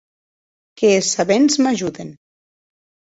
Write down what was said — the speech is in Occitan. Qu’es sabents m’ajuden.